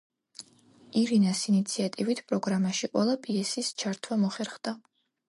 ირინას ინიციატივით, პროგრამაში ყველა პიესის ჩართვა მოხერხდა.